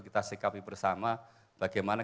kita sikapi bersama bagaimana